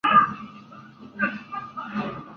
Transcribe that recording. Nace su vocación de pintor.